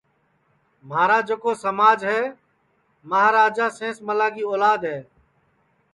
مہارا جکو سماج ہے مہاراجا سینس ملا کی اولاد ہے